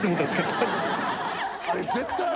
あれ。